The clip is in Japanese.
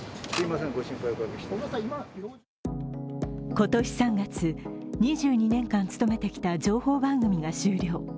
今年３月、２２年間務めてたきた情報番組が終了。